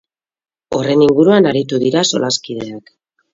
Horren inguruan aritu dira solaskideak.